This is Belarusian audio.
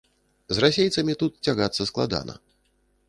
З расейцамі тут цягацца складана.